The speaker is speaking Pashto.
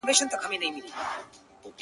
جهاني قاصد دي بولي نوی زېری یې راوړی -